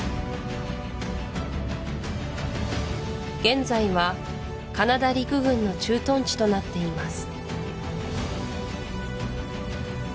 現在はカナダ陸軍の駐屯地となっています